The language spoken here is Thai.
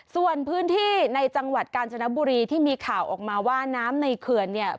ส่วนพื้นที่ในจังหวัดกาญจนบุรีที่มีข่าวออกมาว่าน้ำในเขื่อนเนี่ย